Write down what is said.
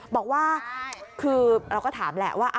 บอกว่าคือเราก็ถามแหละว่า